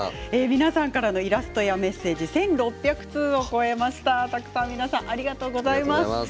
イラストやメッセージ１６００通を超えましたありがとうございました。